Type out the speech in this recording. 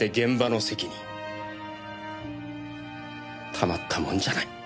たまったもんじゃない。